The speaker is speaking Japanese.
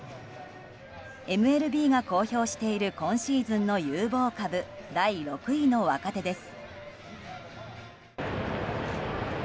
ＭＬＢが公表している今シーズンの有望株第６位の若手です。